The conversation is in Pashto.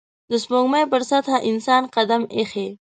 د سپوږمۍ پر سطحه انسان قدم ایښی